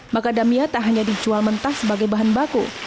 macadamia tak hanya dicual mentah sebagai bahan baku